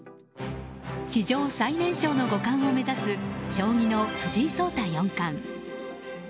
史上最年少の五冠を目指す将棋の藤井聡太四冠。